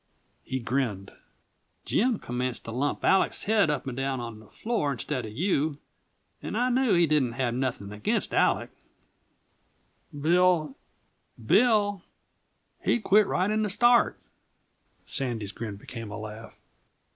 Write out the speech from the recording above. He grinned. "Jim commenced to bump Aleck's head up and down on the floor instead of you and I knew he didn't have nothing against Aleck." "Bill " "Bill, he'd quit right in the start." Sandy's grin became a laugh.